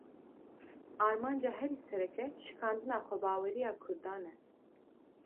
Armanca herî sereke, şikandina xwebaweriya Kurdan e